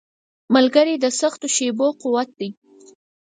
ملګری د سختو شېبو قوت دی.